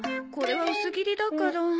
これは薄切りだから。